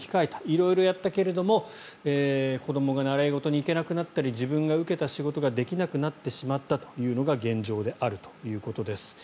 色々やったけれども子どもが習い事に行けなくなったり自分が受けた仕事ができなくなってしまったというのが現状であるということです。